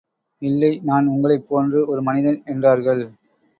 இல்லை நான் உங்களைப் போன்று ஒரு மனிதன் என்றார்கள்.